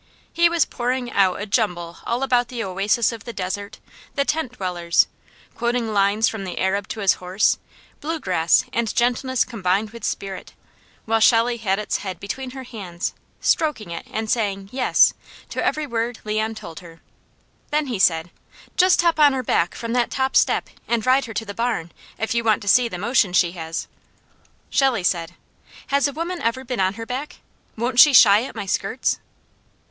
He was pouring out a jumble all about the oasis of the desert, the tent dwellers, quoting lines from "The Arab to His Horse," bluegrass, and gentleness combined with spirit, while Shelley had its head between her hands, stroking it and saying, "Yes," to every word Leon told her. Then he said: "Just hop on her back from that top step and ride her to the barn, if you want to see the motion she has." Shelley said: "Has a woman ever been on her back? Won't she shy at my skirts?"